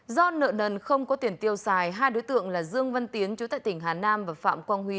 do nợ nần không có tiền tiêu xài hai đối tượng là dương văn tiến chú tại tỉnh hà nam và phạm quang huy